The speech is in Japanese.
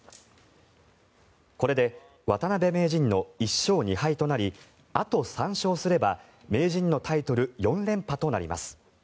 これで渡辺名人の１勝２敗となりあと３勝すれば名人のタイトル４連覇となります。